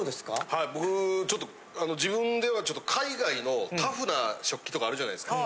はい僕ちょっと自分ではちょっと海外のタフな食器とかあるじゃないですか。